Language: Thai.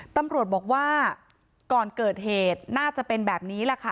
ตำรวจบอกว่าก่อนเกิดเหตุน่าจะเป็นแบบนี้แหละค่ะ